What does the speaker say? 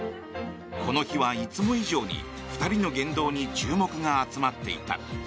この日は、いつも以上に２人の言動に注目が集まっていた。